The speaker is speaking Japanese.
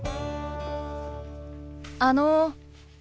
あの。